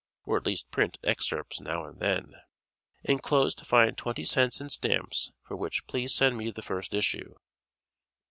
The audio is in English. Or at least print excerpts now and then. Enclosed find twenty cents in stamps for which please send me the first issue.